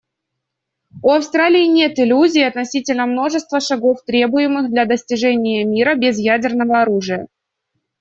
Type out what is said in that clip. У Австралии нет иллюзий относительно множества шагов, требуемых для достижения мира без ядерного оружия.